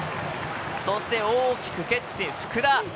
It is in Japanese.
そして、大きく蹴って福田。